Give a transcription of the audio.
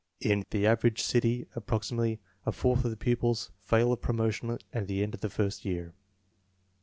In the average city approximately a fourth of ihe pupils Jail of promotion at the end of the first year.